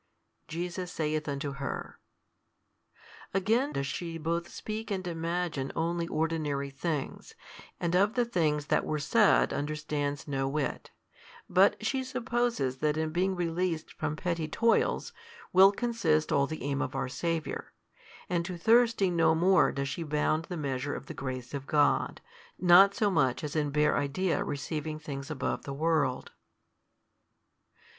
Jesus saith unto her, Again does she both speak and imagine only ordinary things, and of the things that were said understands no whit; but she supposes that in being released from petty toils, will consist all the aim of our Saviour, and to thirsting no more does she bound the measure of the grace of God, not so much as in bare idea receiving things above the world.